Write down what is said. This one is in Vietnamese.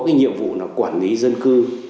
cái nhiệm vụ là quản lý dân cư